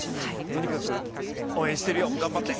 とにかく、応援してるよ頑張って！